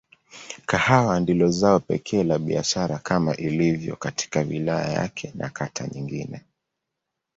Kahawa ndilo zao pekee la biashara kama ilivyo katika wilaya yake na kata nyingine.